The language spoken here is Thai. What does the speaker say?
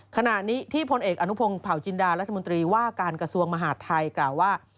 ขณะนี้ที่พลเอกอนุพงศ์เผาจินดารัฐมนตรีว่าการกระทรวงมหาดไทยกล่าวว่า